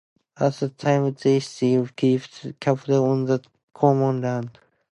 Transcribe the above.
At the time they still kept cattle on the common land.